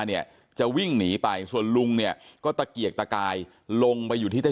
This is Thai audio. เนี่ยจะวิ่งหนีไปส่วนลุงเนี่ยก็ตะเกียกตะกายลงไปอยู่ที่ใต้